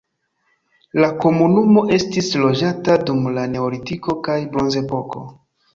La komunumo estis loĝata dum la neolitiko kaj bronzepoko.